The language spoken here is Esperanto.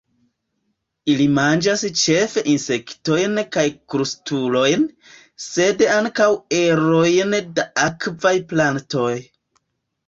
Ili manĝas ĉefe insektojn kaj krustulojn, sed ankaŭ erojn da akvaj plantoj.